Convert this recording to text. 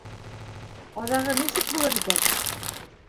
Аҙағы нисек булыр икән?